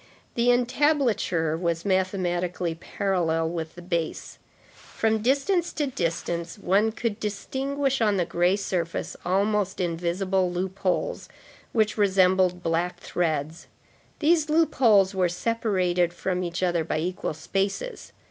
The entablature was mathematically parallel with the base. From distance to distance, one could distinguish on the gray surface, almost invisible loopholes which resembled black threads. These loopholes were separated from each other by equal spaces.